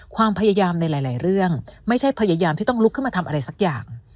ความพยายามในหลายเรื่องไม่ใช่พยายามที่ต้องลุกขึ้นมาทำอะไรสักอย่าง